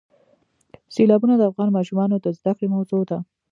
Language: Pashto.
سیلابونه د افغان ماشومانو د زده کړې موضوع ده.